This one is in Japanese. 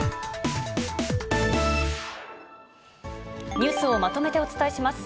ニュースをまとめてお伝えします。